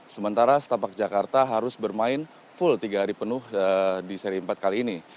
sementara setapak jakarta harus bermain full tiga hari penuh di seri empat kali ini